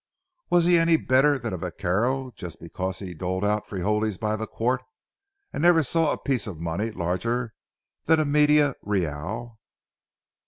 Was he any better than a vaquero just because he doled out frijoles by the quart, and never saw a piece of money larger than a media real?